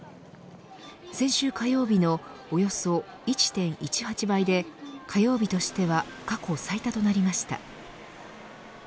先週火曜日のおよそ１．１８倍で火曜日としては過去最多となりました。